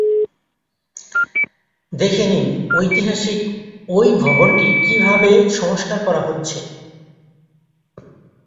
দেখে নিন ঐতিহাসিক ওই ভবনটি কিভাবে সংস্কার করা হচ্ছে।